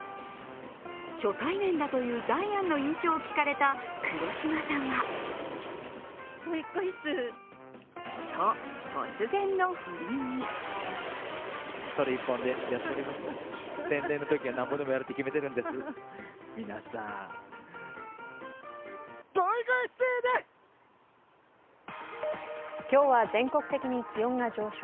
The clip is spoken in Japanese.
初対面だというダイアンの印象を聞かれた黒島さんはと、突然の振りに今日は全国的に気温が上昇。